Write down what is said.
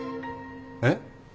えっ？